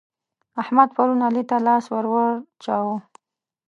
احمد پرون علي ته لاس ور واچاوو.